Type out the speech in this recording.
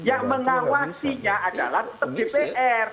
yang mengawasinya adalah dpr